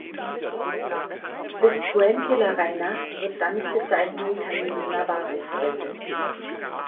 Bis Puente la Reina wird dann die Bezeichnung "Camino navarro" verwendet.